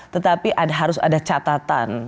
tetapi harus ada catatan